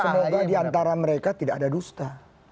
karena diantara mereka tidak ada dusta